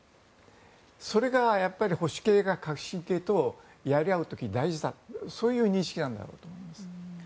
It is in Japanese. それが保守系が革新系とやり合う時に大事だそういう認識なんだろうと思います。